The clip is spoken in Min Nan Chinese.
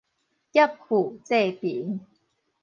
劫富濟貧